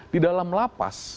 di dalam lapas